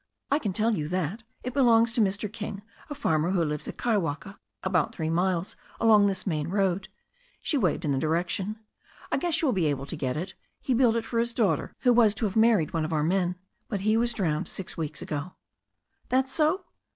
"I can tell you that. It belongs to a Mr. King, a farmer who lives at Kaiwaka, about three miles along this main road." She waved in the direction. "I guess you will be able to get it. He built it for his daughter, who was to have married one of our men. But he was drowned six weeks ago." "That so?